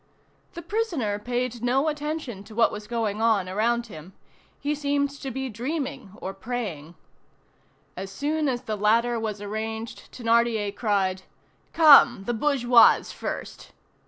The prisoner paid no attention to what was going on around him. He seemed to be dreaming or praying. As soon as the ladder was arranged, Thénardier cried: "Come! the bourgeoise first!"